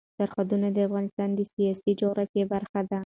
سرحدونه د افغانستان د سیاسي جغرافیه برخه ده.